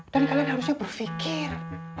dan kalian harusnya berfikir